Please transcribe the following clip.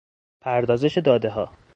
پردازش دادهها